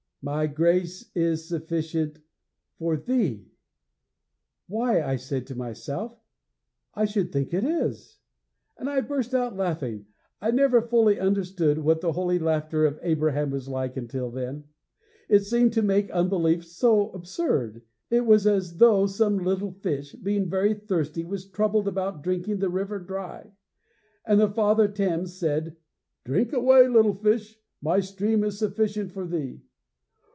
MY grace is sufficient for THEE! "Why," I said to myself, "I should think it is!" and I burst out laughing. I never fully understood what the holy laughter of Abraham was like until then. It seemed to make unbelief so absurd. It was as though some little fish, being very thirsty, was troubled about drinking the river dry; and Father Thames said: "Drink away, little fish, my stream is sufficient for thee!"